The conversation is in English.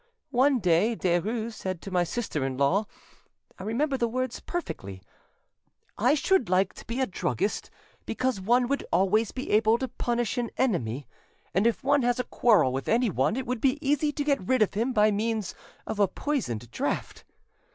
One day Derues said to my sister in law,—I remember the words perfectly,—'I should like to be a druggist, because one would always be able to punish an enemy; and if one has a quarrel with anyone it would be easy to get rid of him by means of a poisoned draught.